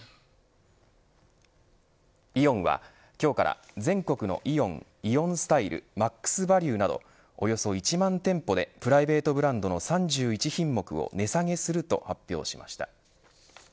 イオンは今日から全国のイオン、イオンスタイルマックスバリュなどおよそ１万店舗でプライベートブランドの３１品目を値下げすると発表しました。